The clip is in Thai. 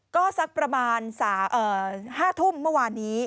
ก็สักประมาณ๕ทุ่มเมื่อวานนี้